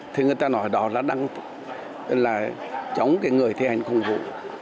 thì người ta nói đó là chống người thi hành công vụ